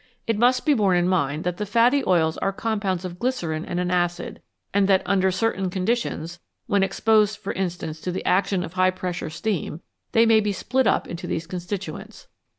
It must be borne in mind that the fatty oils are compounds of glycerine and an acid, and that under certain conditions when exposed, for instance, to the action of high pressure steam they may be split up into these constituents.